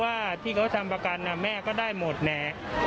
ว่าที่เขาทำประกันแม่ก็ได้หมดแน่